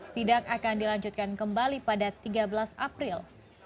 sidak akan dilanjutkan kembali pada tiga belas april